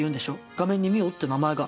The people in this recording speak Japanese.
画面に「みお」って名前が。